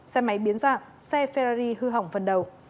xe máy biến dạng xe ferrari hư hỏng phần đầu